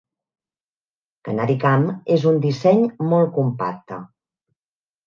CanariCam és un disseny molt compacte.